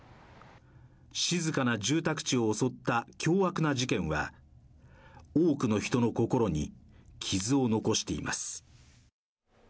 静かな住宅地を襲った凶悪な事件は多くの人の心に傷を残しています。